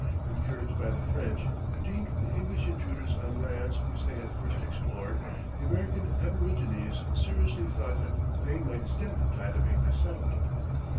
Encouraged by the French, who deemed the English intruders on lands which they had first explored, the American aborigines seriously thought that they might stem the tide of English settlement.